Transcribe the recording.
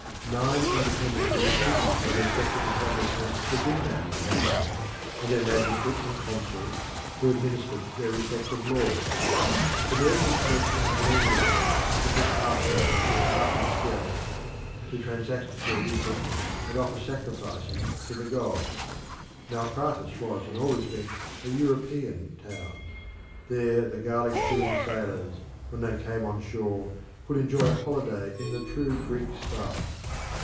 Nine independent Greek cities had their separate establishments within that town, and their magistrates and consuls, who administered their respective laws. The merchants met in the Hellenion, which was half temple, half exchange, to transact their business and offer sacrifices to the gods. Naucratis was in all respects a European town. There the garlic chewing sailors, when they came on shore, could enjoy a holiday in the true Greek style.